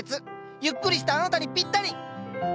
ゆっくりしたあなたにぴったり！